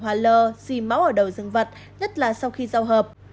hoa lơ di máu ở đầu dương vật nhất là sau khi giao hợp